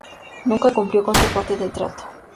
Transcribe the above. Nunca cumplió con su parte del trato.